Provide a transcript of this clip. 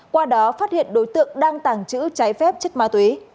qua đó phát hiện đối tượng đang tàng trữ trái phép chất ma túy